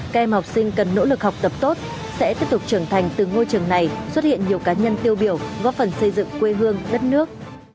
các em học sinh cần nỗ lực học tập tốt sẽ tiếp tục trưởng thành từ ngôi trường này xuất hiện nhiều cá nhân tiêu biểu góp phần xây dựng quê hương đất nước